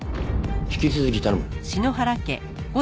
引き続き頼む。